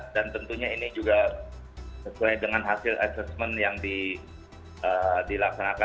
dan tentunya ini juga sesuai dengan hasil asesmen yang dilaksanakan